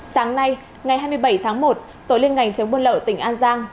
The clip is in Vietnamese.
sáng nay ngày hai mươi bảy tháng một tổ liên ngành chống buôn lậu tỉnh an giang